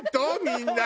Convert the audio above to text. みんな。